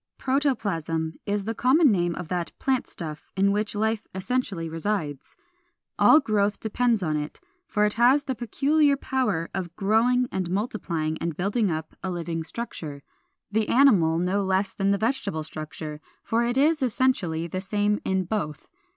Protoplasm is the common name of that plant stuff in which life essentially resides. All growth depends upon it; for it has the peculiar power of growing and multiplying and building up a living structure, the animal no less than the vegetable structure, for it is essentially the same in both.